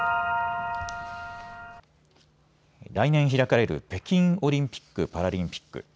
来年開かれる北京オリンピック・パラリンピック。